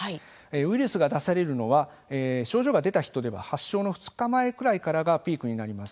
ウイルスが出されるのは症状が出た人では発症の２日前くらいからがピークになります。